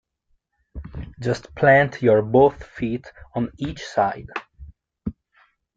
Just plant your both feet on each side.